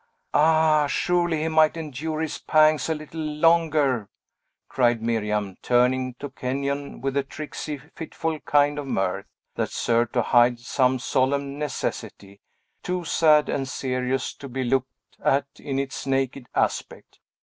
"Ah, surely he might endure his pangs a little longer!" cried Miriam, turning to Kenyon with a tricksy, fitful kind of mirth, that served to hide some solemn necessity, too sad and serious to be looked at in its naked aspect.